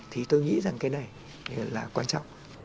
thì tôi nghĩ rằng cái này là quan trọng